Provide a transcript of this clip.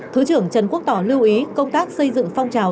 thứ trưởng trần quốc tỏ lưu ý công tác xây dựng phong trào